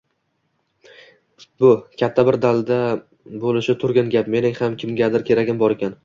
bu – katta bir dalda bo‘lishi turgan gap. Mening ham kimgadir keragim bor ekan